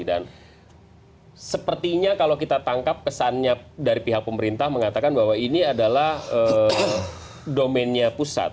dan sepertinya kalau kita tangkap kesannya dari pihak pemerintah mengatakan bahwa ini adalah domennya pusat